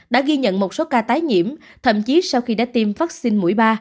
đã ghi nhận một số ca tái nhiễm thậm chí sau khi đã tiêm vaccine mũi ba